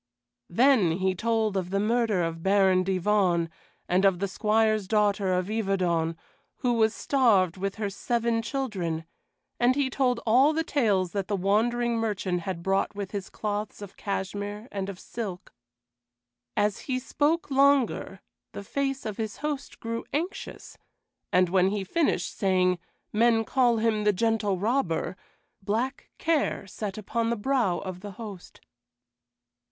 Then he told of the murder of Baron Divonne, and of the Squire's daughter of Yverton, who was starved with her seven children; and he told all the tales that the wandering merchant had brought with his cloths of cashmere and of silk. As he spoke longer, the face of his host grew anxious, and when he finished, saying, "Men call him the Gentle Robber," black care sat upon the brow of the host.